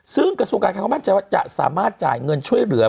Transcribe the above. ซึ่งกระสุนการคำว่ามันจะสามารถจ่ายเงินช่วยเหลือ